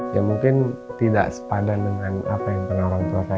ya mungkin tidak sepadan dengan apa yang pernah orang tua saya